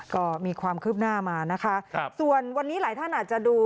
ก็มีความคืบหน้ามานะคะครับส่วนวันนี้หลายท่านอาจจะดู